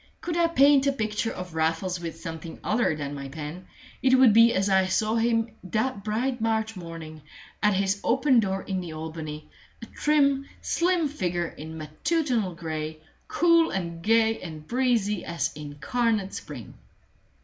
Could I paint a picture of Raffles with something other than my pen, it would be as I saw him that bright March morning, at his open door in the Albany, a trim, slim figure in matutinal gray, cool and gay and breezy as incarnate spring.